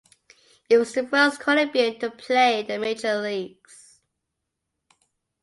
He was the first Colombian to play in the Major Leagues.